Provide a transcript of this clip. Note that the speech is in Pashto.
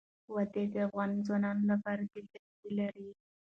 وادي د افغان ځوانانو لپاره دلچسپي لري.